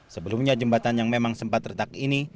sebelumnya jembatan yang memang sempat retak ini